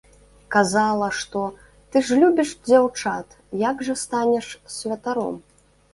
Казала, што, ты ж любіш дзяўчат, як жа станеш святаром?!